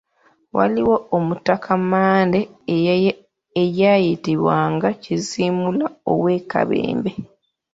Waliwo Omutaka Mmande eyayitibwanga Kizimula ow'e Kabembe.